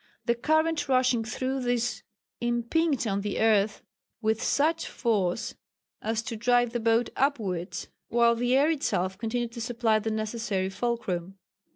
The current rushing through these impinged on the earth with such force as to drive the boat upwards, while the air itself continued to supply the necessary fulcrum.